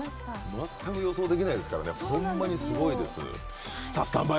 全く予想できないですからほんまにすごいです。